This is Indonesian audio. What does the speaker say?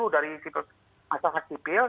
dari masyarakat sipil